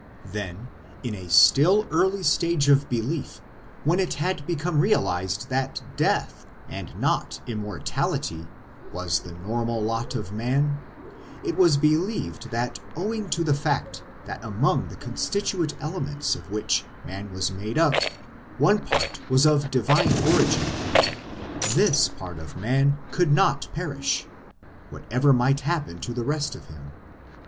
Then, in a still early stage of belief, when it had become realized that Death, and not Immortality, was the normal lot of man, it was believed that owing to the fact that among the constituent elements of which man was made up one part was of divine origin, this part of man could not perish, whatever might happen to the rest of him.